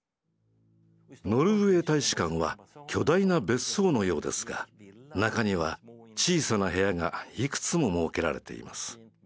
ノルウェー大使館は巨大な別荘のようですが中には小さな部屋がいくつも設けられています。